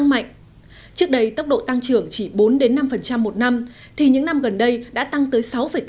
mạnh trước đây tốc độ tăng trưởng chỉ bốn năm một năm thì những năm gần đây đã tăng tới sáu tám